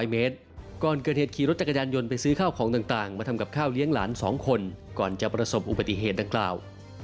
มาทำกับข้าวเลี้ยงหลาน๒คนก่อนจะประสบอุบัติเหตุดังกล่าว